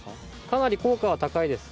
かなり効果は高いです。